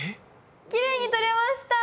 きれいにとれました。